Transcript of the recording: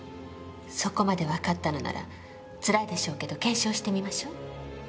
そこまで分かったのならつらいでしょうけど検証してみましょう。